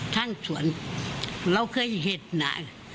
ทางสวนเราเคยเห็นนะ